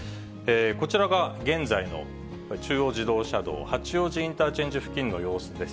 こちらが現在の中央自動車道、八王子インターチェンジ付近の様子です。